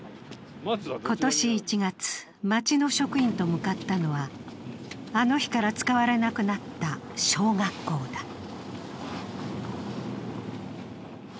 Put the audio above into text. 今年１月、町の職員と向かったのはあの日から使われなくなった小学校だ。